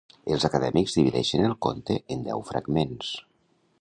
Els acadèmics divideixen el conte en deu fragments.